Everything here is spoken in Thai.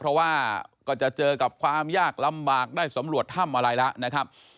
เพราะว่าก็จะเจอกับความยากลำบากได้สำรวจถ้ำอะไรแล้วนะครับ